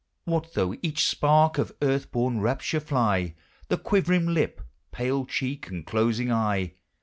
What though each spark of earth born rapture fly The quivering lip, pah 1 chock, and closing eye!